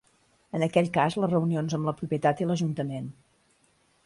En aquell cas les reunions amb la propietat i l’ajuntament.